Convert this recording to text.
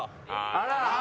あら。